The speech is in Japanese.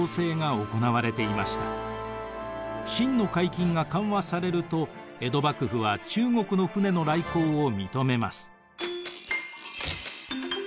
清の海禁が緩和されると江戸幕府は中国の船の来航を認めます。